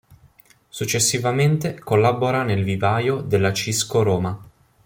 Successivamente collabora nel vivaio della Cisco Roma.